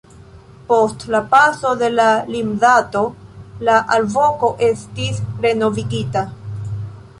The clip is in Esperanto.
Post la paso de la limdato la alvoko estis renovigita.